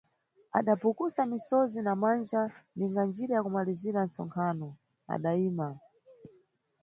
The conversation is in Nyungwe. Adapukusa misozi na manja ninga njira ya kumalizira ntsonkhano, adaima.